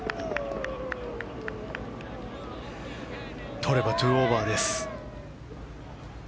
取れば２オーバーです。